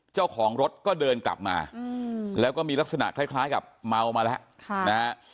เจ้าของรถก็เดินกลับมาแล้วก็มีลักษณะคล้ายกับเมามาแล้วนะฮะ